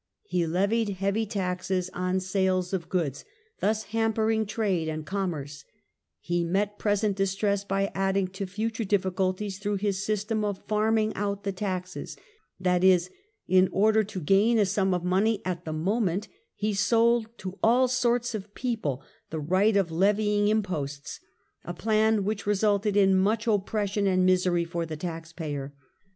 He levied heavy taxes on sales of goods, thus hampering trade and com merce ; he met present distress by adding to future difficulties through his system of farming out the taxes ; that is, in order to gain a sum of money at the moment he sold to all sorts of people the right of levy ing imposts, a plan which resulted in much oppression and misery for the tax payer.